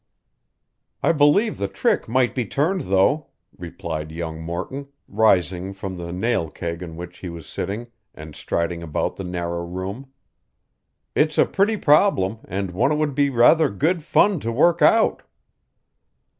"I believe the trick might be turned, though," replied young Morton, rising from the nail keg on which he was sitting and striding about the narrow room. "It's a pretty problem and one it would be rather good fun to work out."